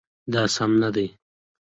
دا سم نه دی